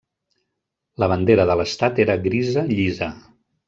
La bandera de l'estat era grisa llisa.